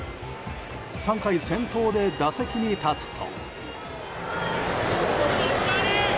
３回、先頭で打席に立つと。